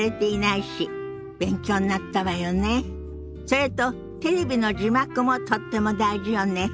それとテレビの字幕もとっても大事よね。